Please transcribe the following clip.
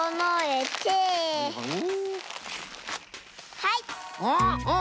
はい！